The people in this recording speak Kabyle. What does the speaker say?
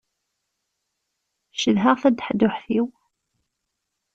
Cedhaɣ tadaḥduḥt-iw.